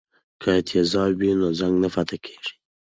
که تیزاب وي نو زنګ نه پاتې کیږي.